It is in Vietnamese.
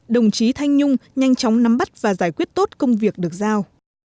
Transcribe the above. đồng chí thanh nhung nhanh chóng nắm bắt và giải quyết tốt công việc được giao